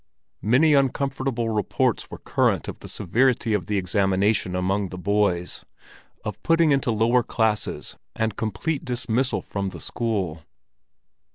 Many uncomfortable reports were current of the severity of the examination among the boys—of putting into lower classes and complete dismissal from the school.